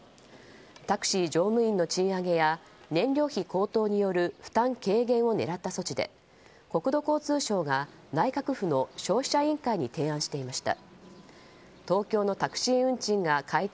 タクシー乗務員の賃上げや燃料費高騰による負担軽減を狙った措置で国土交通省が内閣府の消費者委員会に提案していました。